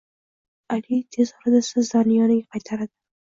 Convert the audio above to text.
Ali tez orada sizlarni yoniga qaytaradi